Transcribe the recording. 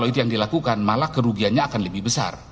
karena itu yang dilakukan malah kerugiannya akan lebih besar